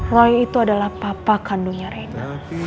roy itu adalah papa kandungnya reina